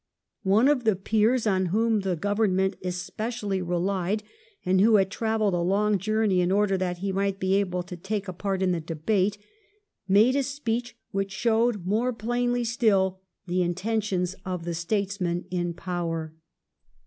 One of the peers on whom the Government especially relied, and who had travelled a long journey in order that he might be able to take a part in the debate, made a speech which showed more plainly still the intentions of the statesmen in power.